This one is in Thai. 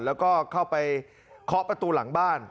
แล้วก็เข้าไปเคาะประตูหลังบ้าน